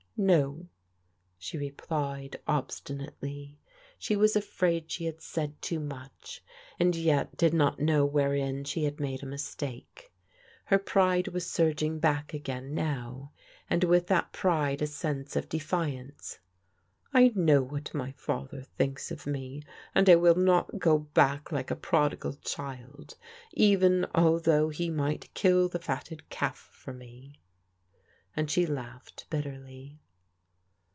"" No," she replied obstinately. She was afraid she had said too much, and yet did not know wherein she had tnade a mistake. Her pride was surging back again low, and with that pride a sense of defiance. " I know jvhat my father thinks of me, and I will not go back like I prodigal child, even although he might kill the fatted :alf for me." And she laughed bitterly.